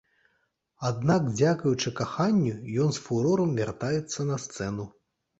Аднак дзякуючы каханню ён з фурорам вяртаецца на сцэну.